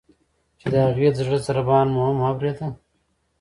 چې د هغې د زړه ضربان مو هم اوریده.